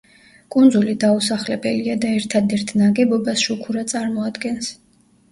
კუნძული დაუსახლებელია და ერთადერთ ნაგებობას შუქურა წარმოადგენს.